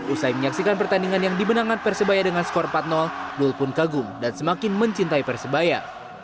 usai menyaksikan pertandingan yang dimenangkan persebaya dengan skor empat dul pun kagum dan semakin mencintai persebaya